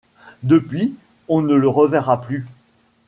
Depuis, on ne le reverra plus.